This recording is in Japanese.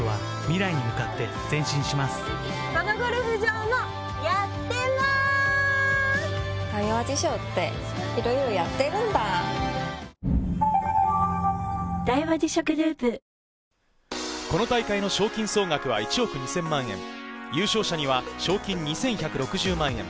１２番が各選手にとってこの大会の賞金総額は１億２０００万円、優勝者には賞金２１６０万円。